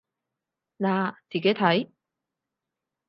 嗱，自己睇